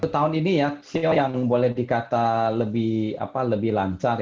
tahun ini siu yang boleh dikatakan lebih lancar